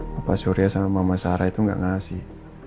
papa surya sama mama sarah itu gak ngasih